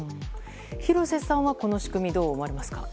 廣瀬さんはこの仕組みどう思われますか。